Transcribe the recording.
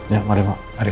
ya mari pak mari